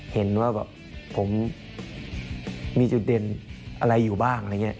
เห็นว่าผมมีจุดเด่นอะไรอยู่บ้าง